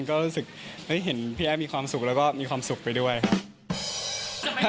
ก็รู้สึกได้เห็นพี่แอฟมีความสุขแล้วก็มีความสุขไปด้วยครับ